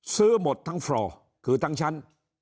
ซื้อหมดทั้งฟลอคือทั้งชั้น